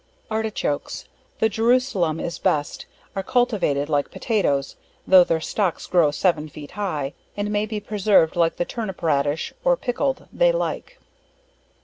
Artichokes The Jerusalem is best, are cultivated like potatoes, (tho' their stocks grow 7 feet high) and may be preserved like the turnip raddish, or pickled they like.